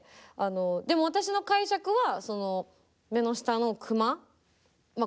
でも私の解釈は目の下のクマまあ